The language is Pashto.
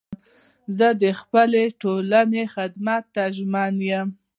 زه د خپلي ټولني خدمت ته ژمن یم.